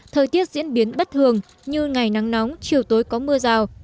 thời tiết diễn biến bất thường như ngày nắng nóng chiều tối có mưa rào